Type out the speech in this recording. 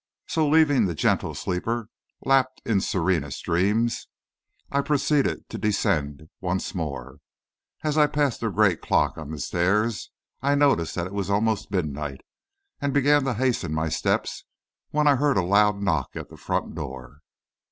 So, leaving the gentle sleeper lapped in serenest dreams, I proceeded to descend once more. As I passed the great clock on the stairs, I noticed that it was almost midnight and began to hasten my steps, when I heard a loud knock at the front door.